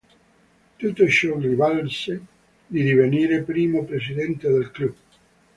Tutto ciò gli valse di divenire primo presidente del club.